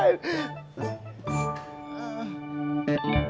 gak tahu apa apa sih